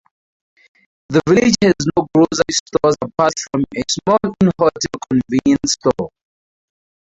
The village has no grocery stores apart from a small in-hotel convenience store.